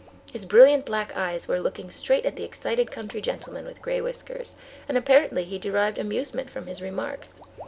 His brilliant black eyes were looking straight at the excited country gentleman with gray whiskers, and apparently he derived amusement from his remarks.